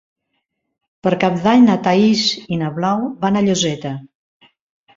Per Cap d'Any na Thaís i na Blau van a Lloseta.